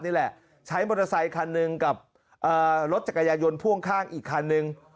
นี่แหละใช้มอเตอร์ไซคันหนึ่งกับรถจักรยายนพ่วงข้างอีกคันนึง